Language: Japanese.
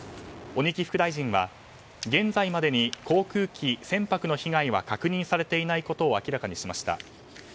鬼木副大臣は現在までに航空機、船舶の被害は確認されていないことを明らかにしました。